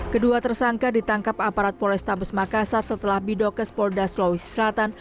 kedua tersangka ditangkap aparat polis tampes makassar setelah bidokes polda slowis selatan